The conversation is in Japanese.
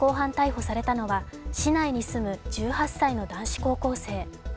殺人未遂の疑いで現行犯逮捕されたのは市内に住む１８歳の男子高校生。